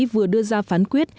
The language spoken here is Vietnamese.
vừa đưa ra phán quyết